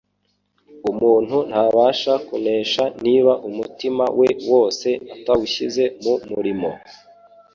umuntu ntabasha kunesha niba umutima we wose atawushyize mu murimo,